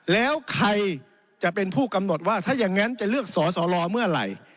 แล้วใครจะเป็นผู้กำหนดว่าถ้าอย่างนั้นจะเลือกสอสอรอเมื่อไหร่